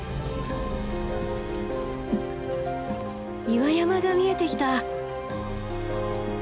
岩山が見えてきた。